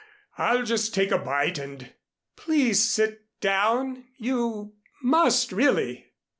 I'll just take a bite and " "Please sit down you must, really."